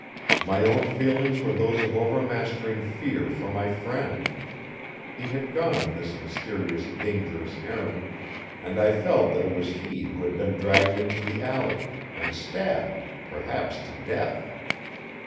My own feelings were those of overmastering fear for my friend. He had gone on his mysterious, dangerous errand, and I felt that it was he who had been dragged into the alley, and stabbed, perhaps to death.